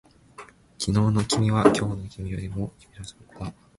昨日の君は今日の君よりも君らしかった